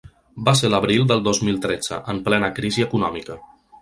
Va ser l’abril del dos mil tretze, en plena crisi econòmica.